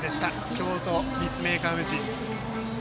京都・立命館宇治。